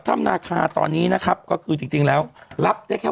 ถ้ำนาคาตอนนี้นะครับก็คือจริงจริงแล้วรับได้แค่